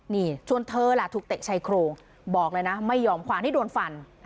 นี่ชวนเธอแหละถูกเตะชายโครงบอกเลยนะไม่ยอมความที่โดนฟัน